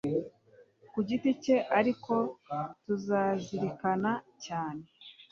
ku giti cye, ariko turazirikana cyane